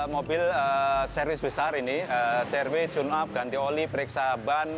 mobil servis besar ini serway tune up ganti oli periksa ban